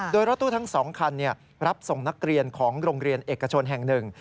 โดยรถตู้ทั้ง๒คันรับส่งนักเรียนของโรงเรียนเอกชนแห่งหนึ่ง